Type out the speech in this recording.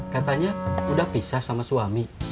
katanya udah pisah sama suami